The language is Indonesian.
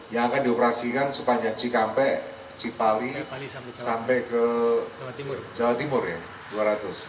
yang akan dioperasikan sepanjang cikampe cipali sampai ke jawa timur ya dua ratus